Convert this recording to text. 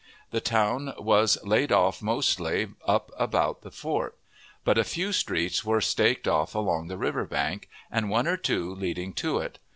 The town was laid off mostly up about the fort, but a few streets were staked off along the river bank, and one or two leading to it.